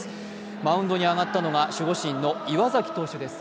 マウンドに上がったのが阪神の岩崎投手です。